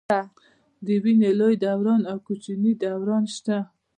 د وینې لوی دوران او کوچني دوران شته.